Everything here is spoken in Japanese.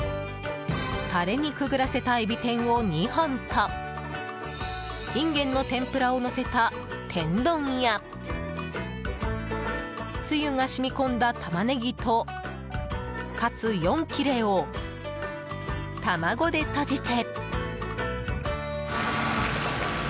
タレにくぐらせたエビ天を２本とインゲンの天ぷらをのせた天丼やつゆが染み込んだタマネギとカツ４切れを卵でとじて。